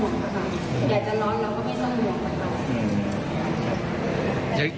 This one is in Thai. อยากจะร้อนเราก็ไม่ต้องห่วงค่ะ